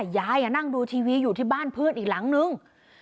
นั่งดูทีวีอยู่ที่บ้านเพื่อนอีกหลังนึง